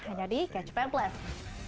hanya di catch pay plus